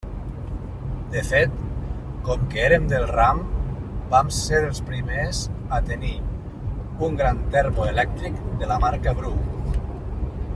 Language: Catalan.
De fet, com que érem del ram, vam ser dels primers a tenir un gran termo elèctric, de la marca Bru.